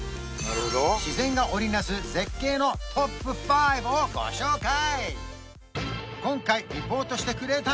自然が織り成す絶景のトップ５をご紹介！